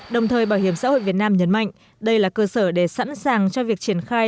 đồng thời bảo hiểm xã hội việt nam nhấn mạnh đây là cơ sở để sẵn sàng cho việc triển khai